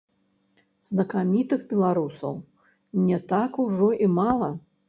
Знакамітых беларусаў не так ужо і мала.